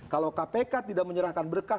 kalau kpk tidak menyerahkan berkas